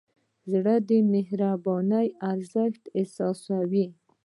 زړه د مهربانۍ ارزښت احساسوي.